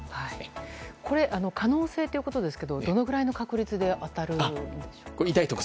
これ、可能性ということですがどのぐらいの確率で当たるんでしょう？